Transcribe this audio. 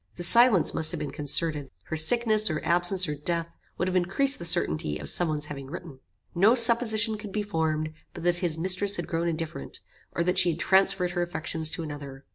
The silence must have been concerted. Her sickness, or absence, or death, would have increased the certainty of some one's having written. No supposition could be formed but that his mistress had grown indifferent, or that she had transferred her affections to another.